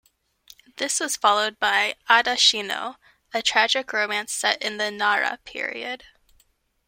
This was followed by "Adashino", a tragic romance set in the Nara period.